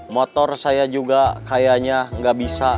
motor saya juga kayaknya itu gak bisa